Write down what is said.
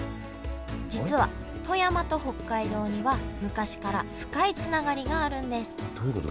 実は富山と北海道には昔から深いつながりがあるんですどういうこと？